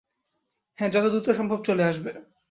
হ্যাঁ, যত দ্রুত সম্ভব চলে আসব।